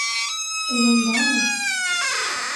— Иленда мо?